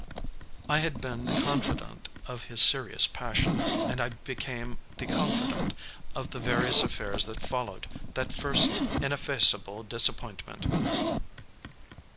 I had been the confidant of his serious passion, and I became the confidant of the various affairs that followed that first ineffaceable disappointment.